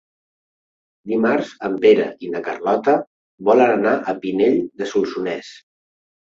Dimarts en Pere i na Carlota volen anar a Pinell de Solsonès.